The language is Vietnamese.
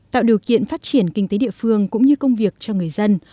tạo điều kiện phát triển kinh tế địa phương cũng như công việc cho người dân